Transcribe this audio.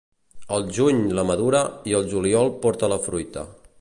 El juny la madura i el juliol porta la fruita.